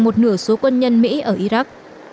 một nửa số quân nhân mỹ ở iraq